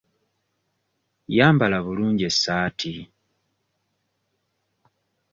Yambala bulungi essaati.